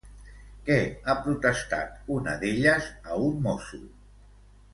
Què ha protestat una d'elles a un mosso?